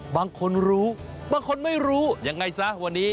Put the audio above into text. บางคนรู้บางคนไม่รู้ยังไงซะวันนี้